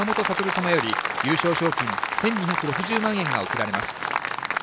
様より優勝賞金１２６０万円が贈られます。